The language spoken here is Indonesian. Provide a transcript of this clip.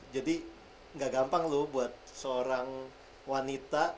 jadi gak gampang loh buat seorang wanita